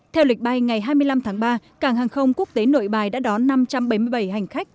theo lịch bay ngày hai mươi năm tháng ba cảng hàng không quốc tế nội bài đã đón năm trăm bảy mươi bảy hành khách